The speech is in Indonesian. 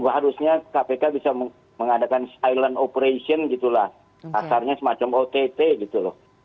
harusnya kpk bisa mengadakan silent operation gitulah asalnya semacam ott gitu loh